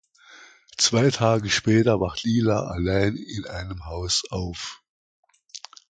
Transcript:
Zwei Tage später wacht Lila allein in einem Haus auf.